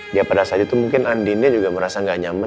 dia pada saat itu mungkin andini juga merasa nggak nyaman